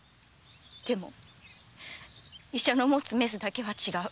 でも医者の持つメスだけは違う。